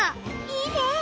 いいね！